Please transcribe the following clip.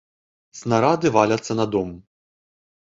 Снарады валяцца на дом!